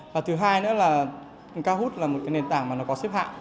và thứ hai nữa là cao hút là một cái nền tảng mà nó có xếp hạng